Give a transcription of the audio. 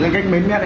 lên cách mến mét em